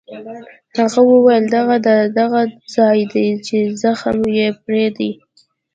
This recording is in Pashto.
هغه وویل: دغه ده، دغه ځای دی چې زخم یې پرې دی.